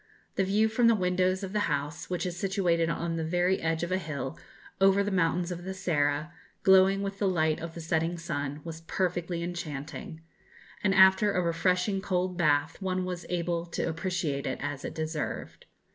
The view from the windows of the house, which is situated on the very edge of a hill, over the mountains of the Serra, glowing with the light of the setting sun, was perfectly enchanting; and after a refreshing cold bath one was able to appreciate it as it deserved.